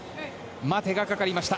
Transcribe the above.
待てがかかりました。